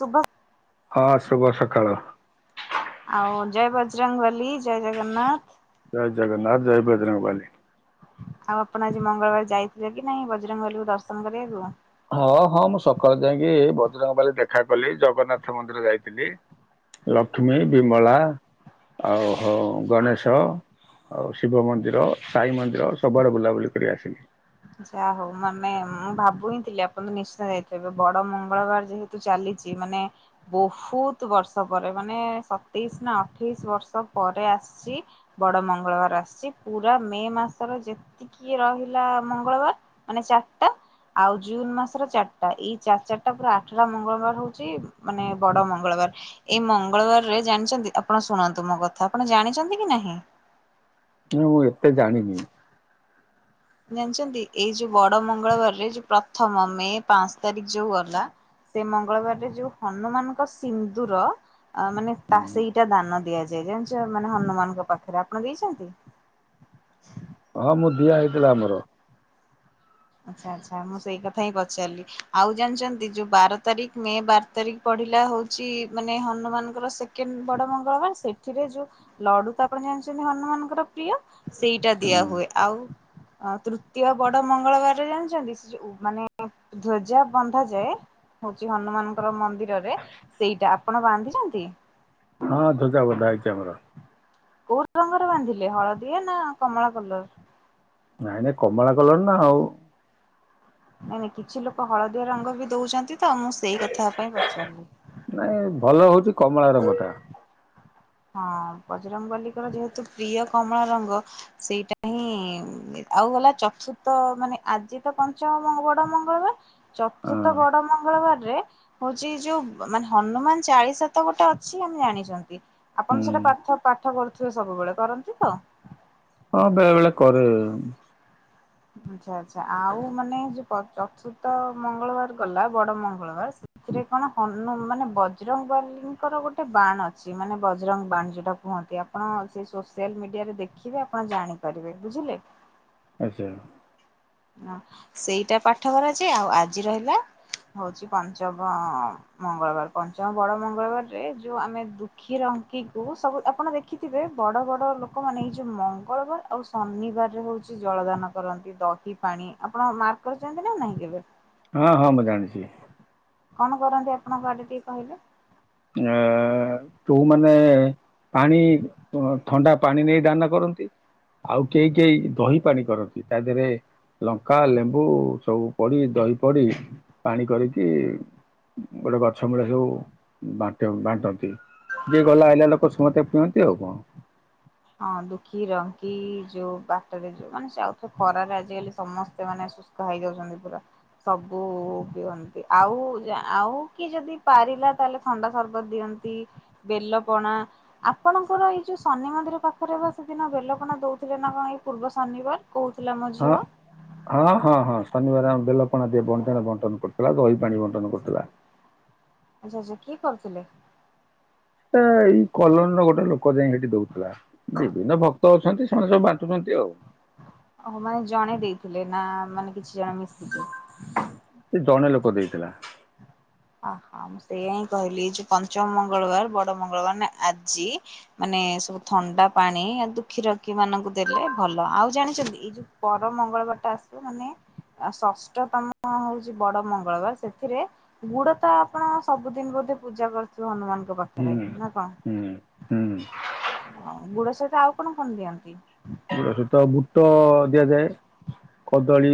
ଶୁଭ ହଁ ଶୁଭ ସକାଳ। ଆଉ ଜୟ ବଜରଙ୍ଗ ବଲି ଜୟ ଜଗନ୍ନାଥ। ଜୟ ଜଗନ୍ନାଥ ଜୟ ବଜରଙ୍ଗ୍ ବାଲି। ଆଉ ଆପଣ ଆଜି ମଙ୍ଗଳବାର ଯାଇଥିଲେ କି ନାଇଁ ବଜରଙ୍ଗବାଲୀକୁ ଦର୍ଶନ କରିବାକୁ? ହଁ ହଁ ମୁଁ ସକାଳେ ଯାଇକି ବଜରଙ୍ଗବାଲି ଦେଖା କଲି ଜଗନ୍ନାଥ ମନ୍ଦିର ଯାଇଥିଲି ଲକ୍ଷ୍ମୀ ବିମଳା ଆଉ ହଁ ଗଣେଶ ଆଉ ଶିବ ମନ୍ଦିର ସାଇ ମନ୍ଦିର ସବୁଆଡେ ବୁଲାବୁଲି କରି ଆସିଲି। ଯା ହଉ ମାନେ ମୁଁ ଭାବୁହିଁଥିଲି ଆପଣ ତ ନିଶ୍ଚିନ୍ତ ଯାଇଥିବେ ବଡ ମଙ୍ଗଳବାର ଯେହେତୁ ଚାଲିଛି ମାନେ ବହୁତ ବର୍ଷ ପରେ ମାନେ ସତେଇଶ ନା ଅଠେଇଶ ବର୍ଷ ପରେ ଆସିଛି ବଡ ମଙ୍ଗଳବାର ଆସିଛି ପୁରା ମେ ମାସର ଯେତିକି ରହିଲା। ମଙ୍ଗଳବାର ମାନେ ଚାରିଟା ଆଉ ଜୁନ ମାସର ଚାରିଟା ଏଇ ଚାରି ଚାରିଟା ପୁରା ଆଠଟା ମଙ୍ଗଳବାର ହଉଛି ମାନେ ବଡ ମଙ୍ଗଳବାର ଏଇ ମଙ୍ଗଳବାରରେ ଜାଣିଛନ୍ତି ଆପଣ ଶୁଣନ୍ତୁ ମୋ କଥା ଆପଣ ଜାଣିଛନ୍ତି କି ନାହିଁ? ମୁଁ ଏତେ ଜାଣିିନି। ଜାଣିଛନ୍ତି ଏଇ ଯୋଉ ବଡ ମଙ୍ଗଳବାରରେ ଯୋଉ ପ୍ରଥମ ମେ ପାଞ୍ଚ ତାରିଖ ଯୋଉ ଗଲା ସେ ମଙ୍ଗଳବାରରେ ଯୋଉ ହନୁମାନଙ୍କ ସିନ୍ଦୁର ମାନେ ତା ସେଇଟା ଦାନ ଦିଆଯାଏ ଜାଣିଛ ମାନେ ହନୁମାନଙ୍କ ପାଖରେ ଆପଣ ଦେଇଛନ୍ତି? ହଁ ମୁଁ ଦିଆ ହେଇଥିଲା ଆମର। ଆଚ୍ଛା ଆଚ୍ଛା ମୁଁ ସେଇ କଥା ହିଁ ପଚାରିଲି ଆଉ ଜାଣିଛନ୍ତି ଯୋଉ ବାର ତାରିଖ ମେ ବାର ତାରିଖ ପଡିଲା ହଉଛି ମାନେ ହନୁମାନଙ୍କର ସେକେଣ୍ଡ ବଡ ମଙ୍ଗଳବାର ସେଥିରେ ଯୋଉ ଲଡୁ ତ ଆପଣ ଜାଣିଛନ୍ତି ହନୁମାନଙ୍କର ପ୍ରିୟ ସେଇଟା ଦିଆ ହୁଏ ହୁଁ ଆଉ ଅ ତୃତୀୟ ବଡ ମଙ୍ଗଳବାର। ଜାଣିଛନ୍ତି ସେ ଯୋଉ ଆ ମାନେ ଧ୍ୱଜା ବନ୍ଧାଯାଏ ହଉଛି ହନୁମାନଙ୍କର ମନ୍ଦିରରେ ସେଇଟା ଆପଣ ବାନ୍ଧିଛନ୍ତି। ହଁ ଧ୍ୱଜା ବନ୍ଧାହେଇଛି ଆମର। କୋଉ ରଙ୍ଗରେ ବାନ୍ଧିଲେ ହଳଦିଆ ନା କମଳା କଲର? ନାଇଁ ନାଇଁ କମଳା କଲର ନା ଆଉ। ନାଇଁ ନାଇଁ କିଛି ଲୋକ ହଳଦିଆ ରଙ୍ଗ ବି ଦଉଛନ୍ତି ତ ମୁଁ ସେଇ କଥା ପାଇଁ ପଚାରିଲି। ନାଇଁ ଭଲ ହଉଛି କମଳା ରଙ୍ଗ ଟା। ହଁ ବଜରଙ୍ଗବାଲୀଙ୍କର ଯେହେତୁ ପ୍ରିୟ କମଳା ରଙ୍ଗ ସେଇଟା ହିଁ ଆଉ ଗଲା ଚତୁର୍ଥ ମାନେ ଆଜି ତ ପଞ୍ଚମ ବଡ ମଙ୍ଗଳବାର। ହଁ ଚତୁର୍ଥ ବଡ ମଙ୍ଗଳବାରରେ। ହଉଛି ଯୋଉ ମାନେ ହନୁମାନ ଚାଳିଶା ତ ଗୋଟେ ଅଛି ଆମେ ଜାଣିଛନ୍ତି। ହୁଁ। ଆପଣ ସେଇଟା ପାଠପାଠ କରୁଥିବେ ସବୁବେଳେ କରନ୍ତି ତ? ହଁ ବେଳେବେଳେ କରେ। ଆଚ୍ଛା ଆଚ୍ଛା ଆଉ ମାନେ ଯୋଉ ପ ଚତୁର୍ଥ ମଙ୍ଗଳବାର ଗଲା ବଡ ମଙ୍ଗଳବାର ସ ଏଥିରେ କଣ ହନ୍ ନୁ ମାନେ ବଜରଙ୍ଗବାଲିଙ୍କର ଗୋଟେ ବାଣ ଅଛି ମାନେ ବଜରଙ୍ଗ ବାଣ ଯୋଉଟା କୁହନ୍ତି ଆପଣ ସେ ସୋସିଆଲ ମିଡିଆରେ ଦେଖିବେ ଆପଣ ଜାଣିପାରିବେ ବୁଝିଲେ। ଆଚ୍ଛା। ହ ସେଇଟା ପାଠ କରାଯାଏ ଆଉ ଆଜି ରହିଲା ହଉଛି ପଞ୍ଚମ ମଙ୍ଗଳବାର ପଞ୍ଚମ ବଡ ମଙ୍ଗଳବାରରେ ଯୋଉ ଆମେ ଦୁଃଖୀ ରଙ୍କିକୁ ସବୁ ଆପଣ ଦେଖିଥିବେ ବଡ ବଡ ଲୋକମାନେ ଏଇ ଯୋଉ ମଙ୍ଗଳବାର ଆଉ ଶନିବାରରେ ହଉଛି ଜଳ ଦାନ କରନ୍ତି ଦ ଦହି ପାଣି ଆପଣ ମାର୍କ କରିଛନ୍ତି ନା ନାଇଁ କେବେ। ହଁ ହଁ ମୁଁ ଜାଣିଛି। କଣ କରନ୍ତି ଆପଣଙ୍କ ଆଡେ ଟିକେ କହିଲେ। ଆ ଯୋଉମାନେ ପାଣି ଥଣ୍ଡା ପାଣି ନେଇ ଦାନ କରନ୍ତି ଆଉ କେହି କେହି ଦହି ପାଣି କରନ୍ତି ତା ଦେହରେ ଲଙ୍କା ଲେମ୍ବୁ ସବୁ ପଡି ଦହି ପଡି ପାଣି କରିକି ଗୋଟେ ଗଛ ମୂଳେ ସବୁ। ବାଟ ବାଣ୍ଟନ୍ତି ଯିଏ ଗଲା ଆଇିଲା ଲୋକ ସମସ୍ତେ ପିଅନ୍ତି ଆଉ କଣ। ହଁ ଦୁଃଖୀ ରଙ୍କି ଯୋଉ ବାଟରେ ଯୋଉମାନେ ଯାଉ ଖରାରେ ଆଜିକାଲି ସମସ୍ତେ ମାନେ ଶୁଷ୍କ ହେଇଯାଉଛନ୍ତି ପୁରା ସବୁ ପିଅନ୍ତି ଆଉ ଆଉ କି ଯଦି ପାରିଲା ତାହେଲେ ଥଣ୍ଡା ସରବତ ଦିଅନ୍ତି ବେଲ ପଣା ଆପଣଙ୍କର ଏଇ ଯୋଉ ଶନି ମନ୍ଦିର ପାଖରେ ବା ସେଦିନ ବେଲ ପଣା ଦଉଥିଲେ ନା କଣ ପୂର୍ବ ଶନିବାର? କହୁଥିଲା ମୋ ହଁ ଝିଅ। ହଁ ହଁ ହଁ। ଶନିବାର ଆମ ବେଲ ପଣା ବଣ୍ଟନ ବଣ୍ଟନ କରିଥିଲା ଦହି ପାଣି ବଣ୍ଟନ କରିୁଥିଲା। ଆଛା ଆଛା କିଏ କରିଥିଲେ? ସେ ଏଇ କଲନି ର ଗୋଟେ ଲୋକ ଯାଇ ସେଇଠି ଦଉଥିଲା ବିଭିନ୍ନ ଭକ୍ତ ଅଛନ୍ତି ସେମାନେ ସବୁ ବାଟୁଛନ୍ତି ଆଉ। ଓ ମାନେ ଜଣେ ଦେଇଥିଲେ ନା ମାନେ କିଛି ଜଣ ମିଶିକି। ସେ ଜଣେ ଲୋକ ଦେଇଥିଲା। ହଁ ମୁଁ ସେଇଆା ହିଁ କହିଲି ଏଇ ଯୋଉ ପଞ୍ଚମ ମଙ୍ଗଳବାର ବଡ ମଙ୍ଗଳବାର ଆଜି ମାନେ ସବୁ ଥଣ୍ଡା ପାଣି ଦୁଃଖୀରଖି ମାନଙ୍କୁ ଦେଲେ ଭଲ ଆଉ ଜାଣିଛନ୍ତି ଏଇ ଯୋଉ ପର ମଙ୍ଗଳବାର ଟା ଆସିବ ମାନେ ଷଷ୍ଠତମ ହଉଛି ବଡ ମଙ୍ଗଳବାର ସେଥିରେ ଆ ଗୁଡ ତ ଆପଣ ସବୁଦିନ ବୋଧେ ପୂଜା କରିୁଥିବେ ଅନୁମାନ ଆଙ୍କ ହୁଁ ପାଖରେ ନା ହୁଁ କଣ ହୁଁ ହଉ ଗୁଡ ସହିତ ଆଉ କଣ କଣ ଦିଅନ୍ତି? ଠିକ ସହିତ ବୁଟ। ଦିଆଯାଏ କଦଳୀ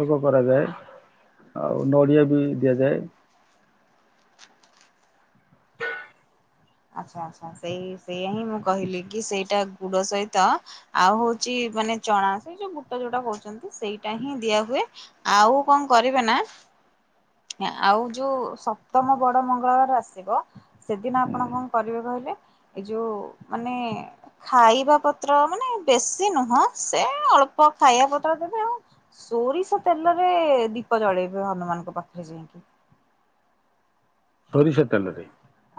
ଭୋଗ କରାଯାଏ ଆଉ ନଡ଼ିଆ ବି ଦିଆଯାଏ। ଆଚ୍ଛା ଆଚ୍ଛା ସେଇ ସେଇୟା ହିଁ ମୁଁ କହିଲି କି ସେଇଟା ଗୁଡ ସହିତ ଆଉ ହଉଛି ମାନେ ଚଣା ସେଇ ଯୋଉ ବୁଟ ଯୋଉଟା କହୁଛନ୍ତି ସେଇଟା ହିଁ ଦିଆ ହୁଏ ଆଉ କଣ କରିବେ ନା ଆଉ ଯୋଉ ସପ୍ତମ ବଡ ମଙ୍ଗଳବାର ଆସିବ ସେଦିନ ହୁଁ ଆପଣ କଣ କରିବେ କହିଲେ ଏଇ ଯୋଉ ମାନେ ଖାଇବା ପତ୍ର ମାନେ ବେଶୀ ନୁହଁ ସେ ଅଳ୍ପ ଖାଇବା ପତ୍ର ଦେବେ ଆଉ ସୋରିଷ ତେଲରେ ଦୀପ ଜଳେଇବେ ହନୁମାନଙ୍କ ପାଖରେ ଯାଇକି। ସୋରିଷ ତେଲରେ।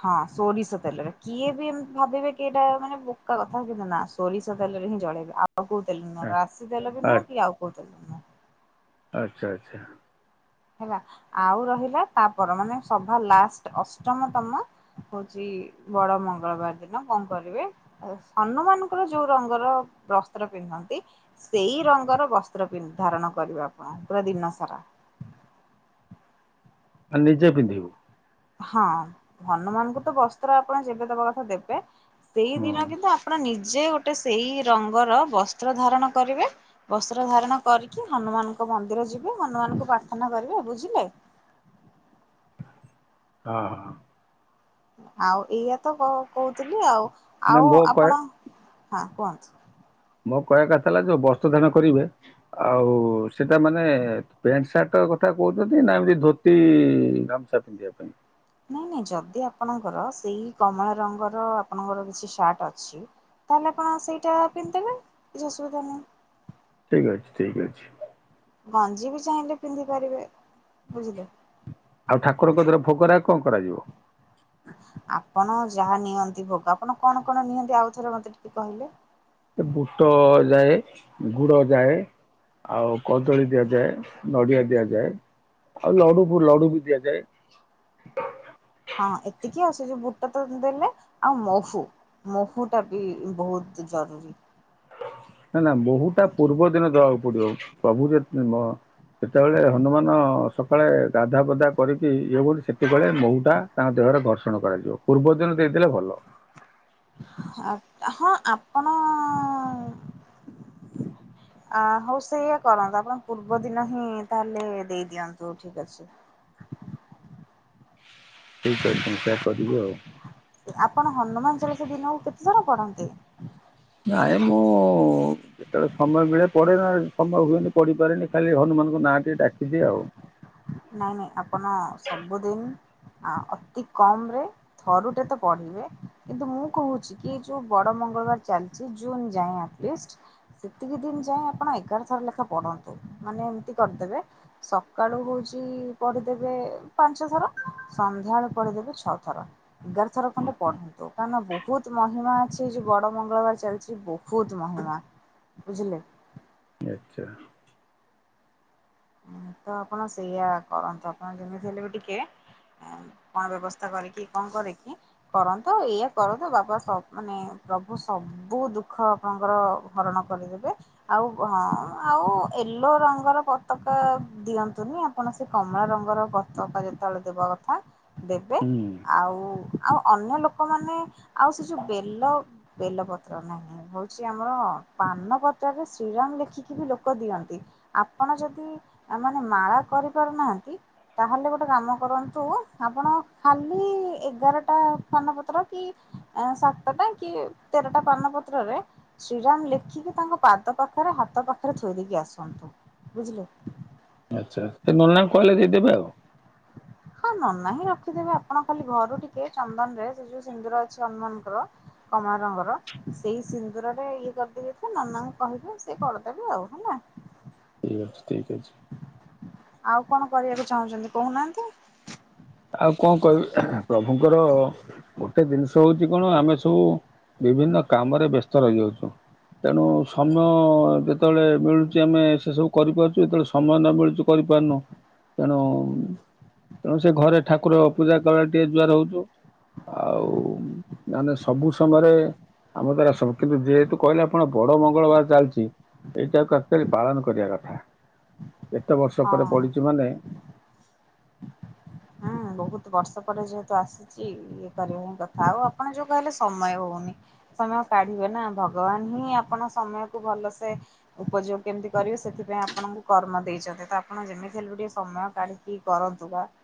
ହଁ ସୋରିଷ ତେଲରେ କିଏ ବି ଏମତି ଭାବିବେ କିଟା ମାନେ ବୋକା କଥା କିନ୍ତୁ ନା ସୋରିଷ ତେଲରେ ହିଁ ଜଳେଇବେ ଆଉ ଆଉ କଉ ତେଲ ନୁହଁ ଆ ରାଶି ତେଲ ବି ଆ- ନୁହଁ କି ଆଉ କଉ ତେଲ ବି ନୁହଁ। ଆଚ୍ଛା ଆଚ୍ଛା। ହେଲା ଆଉ ରହିଲା ତାପର ମାନେ ସଭା ଲାଷ୍ଟ ଅଷ୍ଟମତମ ହଉଛି ବଡ ମଙ୍ଗଳବାର ଦିନ କଣ କରିବେ ହନୁମାନଙ୍କର ଯୋଉ ରଙ୍ଗର ବସ୍ତ୍ର ପିନ୍ଧନ୍ତି ସେଇ ରଙ୍ଗର ବସ୍ତ୍ର ଧାରଣ କରିବେ ଆପଣ ପୁରା ଦିନ ସାରା। ଆ ନିଜେ ପିନ୍ଧିବୁ? ହଁ ହନୁମାନଙ୍କୁ ତ ବସ୍ତ୍ର ଆପଣ ଯେବେ ଦେବା କଥା ଦେବେ ହଁ ସେଇଦିନ କିନ୍ତୁ ଆପଣ ନିଜ ଯେ ଗୋଟେ ସେଇ ରଙ୍ଗର ବସ୍ତ୍ର ଧାରଣ କରିବେ ବସ୍ତ୍ର ଧାରଣ କରିକି ହନୁମାନଙ୍କ ମନ୍ଦିର ଯିବେ ହନୁମାନଙ୍କୁ ପ୍ରାର୍ଥନା କରିବେ ବୁଝିଲେ। ହଁ ହଁ। ଆଉ ଏଇଆା ତ କହୁଥିଲି ଆଉ। ମାନେ ଆଉ ମୋ କହ ଆପଣ ହଁ କୁହନ୍ତୁ। ମୋ କହିବା କଥା ହେଲା ଯୋଉ ବସ୍ତ୍ର ଧାରଣ କରିବେ ଆଉ ସେଟା ମାନେ ପ୍ୟାଣ୍ଟ ସାର୍ଟ କଥା କହୁଛନ୍ତି ନା ଏମିତି ଧୋତି ଗାମୁଁଛା ପିନ୍ଧିବା ପାଇଁ? ନାଇଁ ନାଇଁ ଯଦି ଆପଣଙ୍କର ସେଇ କମଳା ରଙ୍ଗର ଆପଣଙ୍କର କିଛି ସାର୍ଟ ଅଛି ତାହଲେ ଆପଣ ସେଇଟା ପିନ୍ଧିଦେଲେ କିଛି ଅସୁବିଧା ନାହିଁ। ଠିକ ଅଛି ଠିକ ଅଛି। ଗଞ୍ଜି ବି ଚାହିଁଲେ ପିନ୍ଧି ପାରିବେ। ବୁଝିଲେ। ଆଉ ଠାକୁରଙ୍କ ଧର ଭୋଗ ରାଗ କଣ କରାଯିବ? ଆପଣ ଯାହା ନିଅନ୍ତି ଭୋଗ ଆପଣ କଣ କଣ ନିଅନ୍ତି ଆଉଥରେ ମତେ ଟିକେ କହିଲେ? ସେ ବୁଟ ଯାଏ ଗୁଡ ଯାଏ ଆଉ କଦଳୀ ଦିଆଯାଏ ନଡ଼ିଆ ଦିଆଯାଏ ଆଉ ଲଡୁ ଲଡୁ ବି ଦିଆଯାଏ। ହଁ ଏତିକି ଆସ ଯେ ବୁଟ ତ ଦେଲେ ଆଉ ମହୁ ମହୁ ଟା ବି ବହୁତ ଜରୁରୀ। ନା ନା ମହୁୂ ଟା ପୂର୍ବ ଦିନ ଦବାକୁ ପଡିବ ପ୍ରଭୁ ଯେ ସେତେବେଳେ ହନୁମାନ ସକାଳେ ଗାଧା ପଧା କରିକି ଇଏ ହ ସେତେବେଳେ ମହୁଟା ତାଙ୍କ ଦେହରେ ଘର୍ଷଣ କରାଯିବ ପୂର୍ବ ଦିନ ଦେଇଦେଲେ ଭଲ। ହଁ ଆପଣ [inaudible] ହ ଉ ସେଇଆ କରନ୍ତୁ ଆପଣ ପୂର୍ବ ଦିନ ହିଁ ତାହଲେ ଦେଇଦିଅନ୍ତୁ, ଠିକ ଅଛି। ଠିକ୍ ଅଛି। ସେୟା କରିବି ଆଉ। ଆପଣ ହନୁମାନ ଚାଳିଶା ଦିନକୁ କେତେ ଥର ପଢ଼ନ୍ତିୁ? ହ ନାଇଁ ମୁଁ ଯେତେବେଳେ ସମୟ ମିଳେ ପଢେ ନା ସମୟ ହୁଏନି ପଢିପାରେନି, ଖାଲି ହନୁମାନଙ୍କ ନାଁ ଟିକେ ଡାକିଦିଏ ଆଉ ନାଇଁ ନାଇଁ ଆପଣ ସବୁଦିନ ଅତି କମରେ ଥରୁଟେ ତ ପଢିବେ, କିନ୍ତୁ ମୁଁ କହୁଛି କି ଯୋଉ ବଡ ମଙ୍ଗଳବାର ଚାଲିଛି, ଜୁନ ଯାଏଁଲି ସେତିକି ଦିନ ଯାଏଁ ଆପଣ ଏଗାର ଥର ଲେଖା ପଢନ୍ତୁ, ମାନେ ଏମିତି କରିଦେବେ ସକାଳୁ ହଉଚି ପଢିଦେବେ ପାଞ୍ଚ ଥର ସନ୍ଧ୍ୟାବେଳଳେ ପଢିଦେବେ ଛଅ ଥର ଏଗାର ଥର ଖଣ୍ଡେ ପଢନ୍ତୁ, କାଁ ବହୁତ ମହିମା ଅଛି, ଏ ଯୋଉ ବଡ ମଙ୍ଗଳବାର ଚାଲିଛି ବହୁତ ମହିମା ବୁଝିଲେ ଆଚ୍ଛା ତ ଆପଣ ସେଇଆ କରନ୍ତୁ ଆପଣ ଯେମିତି ହେଲେ ବି ଟିକେ କଣ ବ୍ୟବସ୍ଥା କରିକି କଣ କରିକି କରନ୍ତୁ, ଆଉ ଏଇଆ କରନ୍ତୁ ବାପା ମାନେ ପ୍ରଭୁ ସବୁ ଦୁଃଖ ଆପଣଙ୍କର ହରଣ କରିଦେବେ ଆଉ ହଁ ଆଉ ୟେଲୋ ରଙ୍ଗର ପତକା ଦିଅନ୍ତୁନି, ଆପଣ ସେ କମଳା ରଙ୍ଗର ପତକା ଯେତେବେଳେ ଦେବା କଥା ଦେବେ ହୁଁ ଆଉ ଆଉ ଅନ୍ୟ ଲୋକମାନେ ଆଉ ସେ ଯୋଉ ବେଲ ବେଲପତ୍ର ନାହିଁ ହଉଛି ଆମର ପାନପତ୍ରରେ ଶ୍ରୀରାମ ଲେଖିକି ବି ଲୋକ ଦିଅନ୍ତି ଆପଣ ଯଦି ମାନେ ମାଳା କରିପାରୁନାହାନ୍ତି, ତାହେଲେ ଗୋଟେ କାମ କରନ୍ତୁ ଆପଣ ଖାଲି ଏଗାରଟା ପାନପତ୍ର କି ସାତଟା କି ତେରଟା ପାନପତ୍ରରେ ଶ୍ରୀରାମ ଲେଖିକି ତାଙ୍କ ପାଦ ପାଖରେ ହାତ ପାଖରେ ଥୋଇ ଦେଇକି ଆସନ୍ତୁ, ବୁଝିଲେ। ଆଚ୍ଛା, ସେ ନନ କୁଆଲିଟି ଦେବେ ଆଉ। ହଁ ନନା ହିଁ ରଖିଦେବେ ଆପଣ ଖାଲି ଘରୁ ଟିକେ ଚନ୍ଦନ ରେ ସେ ଯୋଉ ସିନ୍ଦୁର ଅଛି ହନୁମାନଙ୍କର କମଳ ରଙ୍ଗର ସେଇ ସିନ୍ଦୁରରେ ଇଏ କରିଦେଇ ଯାଇଥିବେ ନନାଙ୍କୁ କହିବେ ସେ କରିଦେବେ ଆଉ ହେଲା। ଠିକ ଠିକ ଅଛି। [inaudible] ଆଉ କଣ କରିବାକୁ ଚାହୁଁଛନ୍ତି କହୁନାହାନ୍ତି। ଆଉ କଣ କହିବି ପ୍ରଭୁଙ୍କର ଗୋଟେ ଜିନିଷ ହୋଉଚି, କଣ ଆମେ ସବୁ ବିଭିନ୍ନ କାମରେ ବ୍ୟସ୍ତ ରହିଯାଉଚୁ, ତେଣୁ ସମୟ ଯେତେବେଳେ ମିଳୁଛି ଆମେ ସେସବୁ କରିପାରୁଚୁ, ଯେତେବେଳେ ସମୟ ନ ମିଳୁଛି କରିପାରୁନୁ ତେଣୁ ତେଣୁ ସେ ଘରେ ଠାକୁର ପୂଜା କ ଟିକେ ଯୁଆର ହଉଚୁ [inaudible] ଆଉ ମାନେ ସବୁ ସମୟରେ ଆମ ଦ୍ଵାରା ସ କିନ୍ତୁ ଯେହେତୁ କହିଲେ ଆପଣ ବଡ ମଙ୍ଗଳବାର ଚାଲିଚି, ଏଇଟାକୁ ଆଚୁଲି ପାଳନ କରିବା କଥା। କେତେ ବର୍ଷ ପରେ ପଡିଚି, ମାନେ। ହୁଁ ବହୁତ ବର୍ଷ ପରେ ଯେହେତୁ ଆସିଚି, ଇଏ କରିବା ହିଁ କଥା ଆଉ ଆପଣ ଯୋଉ କହିଲେ ସମୟ ହଉନି ସମୟ କାଢିବେ ନା ଭଗବାନ ହିଁ ଆପଣ ସମୟ କୁ ଭଲସେ ଉପଯୋଗ କେମିତି କରିବେ ସେଥିପାଇଁ ଆପଣଙ୍କୁ କର୍ମ ଦେଇଛନ୍ତି ତ ଆପଣ ଯେମିତି ହେଲେ ଟିକେ ସମୟ କାଢିକି। କରନ୍ତୁ ବା [inaudible]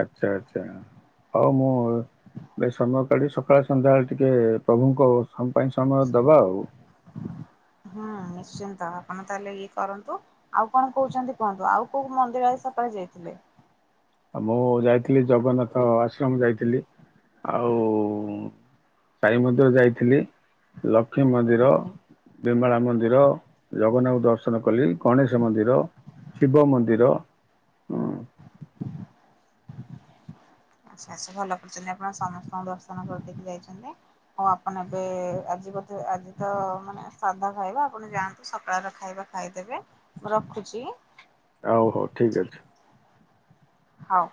ଆଚ୍ଛା ଆଚ୍ଛା ହଉ ମୁଁ ବ ସମୟ କାଲି ସକାଳେ ସନ୍ଧ୍ୟାବେଳେ ଟିକେ ପ୍ରଭୁଙ୍କ ପାଇଁ ସମୟ ଦବା ଆଉ। ହୁଁ ନିଶ୍ଚିନ୍ତ ଆପଣ ତାହେଲେ ଇଏ କରନ୍ତୁ ଆଉ କଣ କହୁଛନ୍ତି କୁହନ୍ତୁ, ଆଉ କୋଉ ମନ୍ଦିର ଆଇ ସ ପରେରେ ଯାଇଥିଲେ। ଆଉ ମୁଁ ଯାଇଥିଲି ଜଗନ୍ନାଥ ଆଶ୍ରମ ଯାଇଥିଲି, ଆଉ ସାଇ ମନ୍ଦିର ଯାଇଥିଲି, ଲକ୍ଷ୍ମୀ ମନ୍ଦିର, ନିର୍ମଳା ମନ୍ଦିର, ଜଗନ୍ନାଥଙ୍କୁ ଦର୍ଶନ କଲି, ଗଣେଶ ମନ୍ଦିର, ଶିବ ମନ୍ଦିର, ହ ଆଚଛା ଆଛା ଭଲ କରିୁଛନ୍ତି, ଆପଣ ସମସ୍ତଙ୍କୁ ଦର୍ଶନ କରିଦେଇକି ଯାଇଛନ୍ତି, ଆଉ ଆପଣ ଏବେ ଆଜି ଆଜି ତ ମାନେ ସାଧା ଖାଇବା ଆପଣ ଯାଆନ୍ତୁ, ସକାଳର ଖାଇବା ଖାଇଦେବେ ମୁ ରଖୁଛି। ହଉ ହଉ ଠିକ ଅଛି। ହଁ